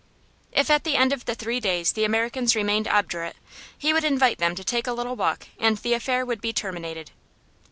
If at the end of the three days the Americans remained obdurate, he would invite them to take a little walk, and the affair would be terminated.